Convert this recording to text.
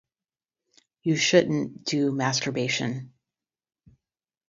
You shouldn't do masturbation.